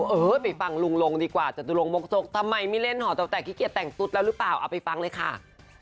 เออไปฟังลุงลงดีกว่าจตุรงวงจกทำไมไม่เล่นหอตกแตกขี้เกียจแต่งตุ๊ดแล้วหรือเปล่าเอาไปฟังเลยค่ะ